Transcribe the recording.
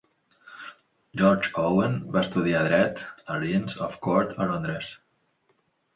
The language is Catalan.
George Owen va estudiar dret a l'Inns of Court a Londres.